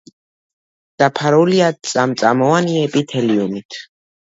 დაფარულია წამწამოვანი ეპითელიუმით.